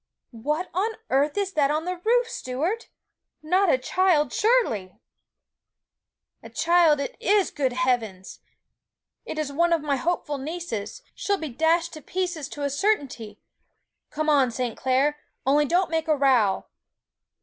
'What on earth is that on the roof, Stuart? Not a child, surely!' 'A child it is; good heavens! It's one of my hopeful nieces; she'll be dashed to pieces to a certainty! Come on, St. Clair; only don't make a row!'